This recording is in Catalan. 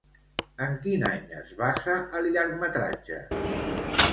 En quin any es basa el llargmetratge?